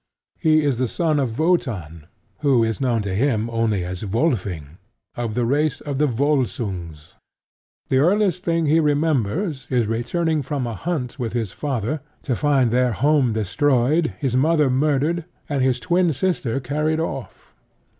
He is the son of Wotan, who is known to him only as Wolfing, of the race of the Volsungs. The earliest thing he remembers is returning from a hunt with his father to find their home destroyed, his mother murdered, and his twin sister carried off.